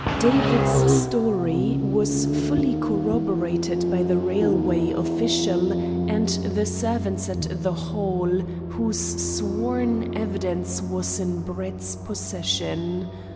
David's story was fully corroborated by the railway official and the servants at the Hall, whose sworn evidence was in Brett's possession.